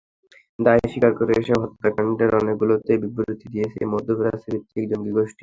দায় স্বীকার করে এসব হত্যাকাণ্ডের অনেকগুলোতেই বিবৃতি দিয়েছে মধ্যপ্রাচ্যভিত্তিক জঙ্গিগোষ্ঠী আইএস।